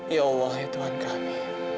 ya allah ya tuhan kami